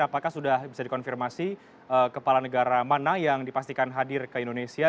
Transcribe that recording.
apakah sudah bisa dikonfirmasi kepala negara mana yang dipastikan hadir ke indonesia